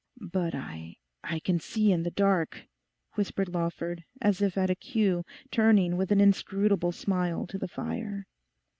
'But I—I can see in the dark,' whispered Lawford, as if at a cue, turning with an inscrutable smile to the fire.